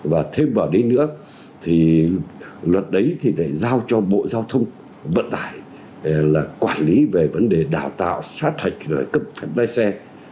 và thêm vào đấy nữa thì luật đấy thì để giao cho bộ giao thông vận tải là quản lý về vấn đề đào tạo sát hạch cấp phép lái xe